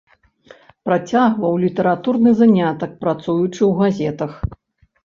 Працягваў літаратурны занятак, працуючы ў газетах.